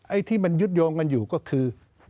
ที่มันยึดโยงกันอยู่ก็คือ